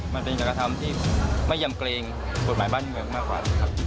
มันเป็นการกระทำที่ไม่ยำเกรงกฎหมายบ้านเมืองมากกว่านะครับ